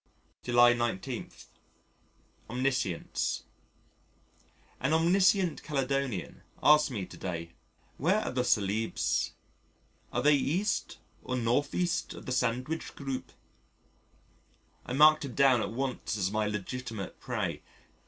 July 19. Omniscience An omniscient Caledonian asked me to day: "Where are the Celebes? Are they E. or N.E. of the Sandwich Group?" I marked him down at once as my legitimate prey.